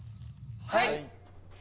はい！